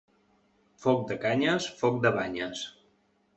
Foc de canyes, foc de banyes.